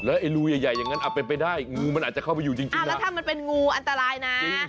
ไอ้รูใหญ่อย่างนั้นเป็นไปได้งูมันอาจจะเข้าไปอยู่จริงแล้วถ้ามันเป็นงูอันตรายนะ